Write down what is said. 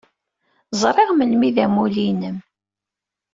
Zṛiɣ melmi i d amulli-im.